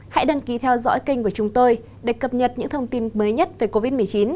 hãy đăng ký theo dõi kênh của chúng tôi để cập nhật những thông tin mới nhất về covid một mươi chín